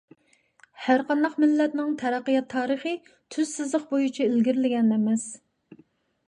ھەرقانداق مىللەتنىڭ تەرەققىيات تارىخى تۈز سىزىق بويىچە ئىلگىرىلىگەن ئەمەس.